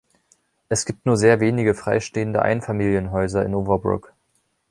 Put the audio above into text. Es gibt nur sehr wenige freistehende Einfamilienhäuser in Overbrook.